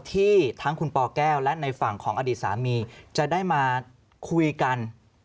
ที่ทั้งคุณปแก้วและในฝั่งของอดีตสามีจะได้มาคุยกัน